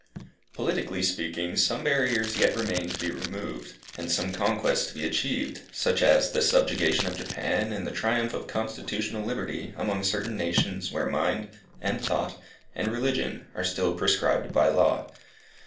Politically speaking, some barriers yet remain to be removed, and some conquests to be achieved, such as the subjugation of Japan, and the triumph of constitutional liberty among certain nations where mind, and thought, and religion are still prescribed by law.